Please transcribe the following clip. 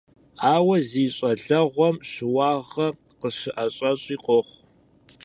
Ауэ зи щӀалэгъуэм щыуагъэ къыщыӀэщӀэщӀи къохъу.